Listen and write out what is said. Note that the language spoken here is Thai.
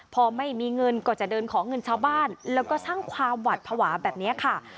พอไม่มีเงินก็จะเดินขอเงินชาวบ้านแล้วก็สร้างความหวัดภาวะแบบนี้ค่ะ